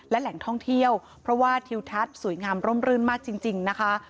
และแหล่งท่องเที่ยวเพราะว่าทิวทัศน์สวยงามร่มรื่นมากจริงนะคะ